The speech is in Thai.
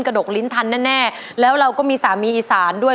ดกลิ้นทันแน่แน่แล้วเราก็มีสามีอีสานด้วย